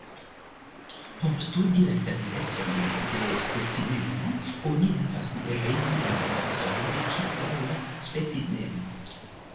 Por studi la stabilecon de specimeno oni devas regi la gasojn ĉirkaŭ la specimeno.